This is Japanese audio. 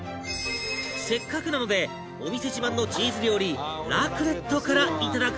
せっかくなのでお店自慢のチーズ料理ラクレットからいただく事に